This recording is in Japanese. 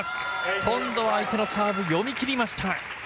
今度は相手のサーブ、読み切りました。